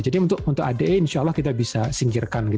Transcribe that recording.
jadi untuk ade insya allah kita bisa singkirkan